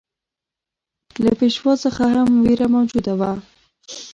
له پېشوا څخه هم وېره موجوده وه.